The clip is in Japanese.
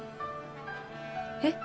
えっ？